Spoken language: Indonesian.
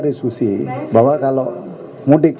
diskusi bahwa kalau mudik